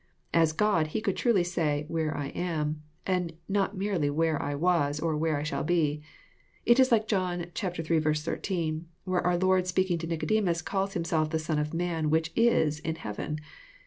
As God, He could truly say, " where I am," and not merely where I was," or where I shall be." It is like John Hi. 13, where our Lord speaking^to Nicodemus, calls Himself the Son of man which IS in heaven."